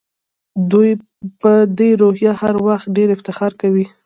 دوی په دې روحیه هر وخت ډېر افتخار کوي.